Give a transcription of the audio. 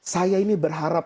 saya ini berharap